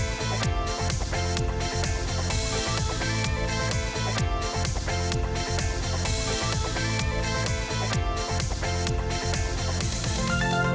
จนกว่าจะพบกันใหม่จนกว่าจะพบกันใหม่